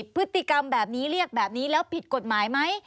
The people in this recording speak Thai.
พฤติกรรมแบบนี้เรียกแบบนี้แล้วผิดกฎหมายไหม